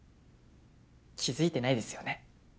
気付いてないですよね。